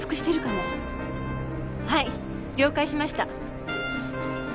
はい了解しました。